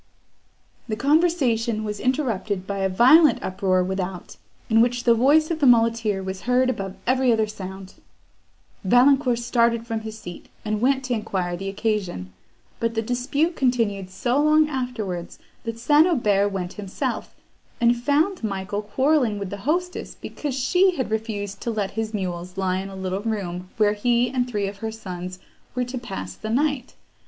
The conversation was interrupted by a violent uproar without, in which the voice of the muleteer was heard above every other sound. Valancourt started from his seat, and went to enquire the occasion; but the dispute continued so long afterwards, that St. Aubert went himself, and found Michael quarrelling with the hostess, because she had refused to let his mules lie in a little room where he and three of her sons were to pass the night.